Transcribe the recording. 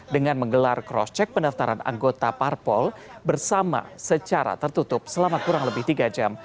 dengan menggelar cross check pendaftaran anggota parpol bersama secara tertutup selama kurang lebih tiga jam